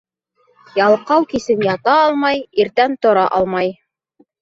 Ялҡау кисен ята алмай, иртән тора алмай.